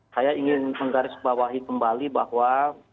saya ingin menggarisbawahi kembali bahwa